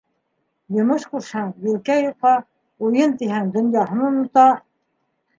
Йомош ҡушһаң, елкә йоҡа, уйын тиһәң, донъяһын онота!